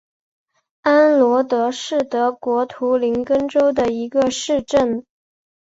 安罗德是德国图林根州的一个市镇。